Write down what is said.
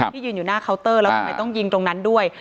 ที่ยืนอยู่หน้าเคาน์เตอร์แล้วทำไมต้องยิงตรงนั้นด้วย